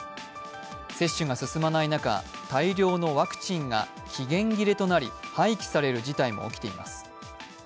接種が進まない中、大量のワクチンが期限切れとなり廃棄される事態も起きています。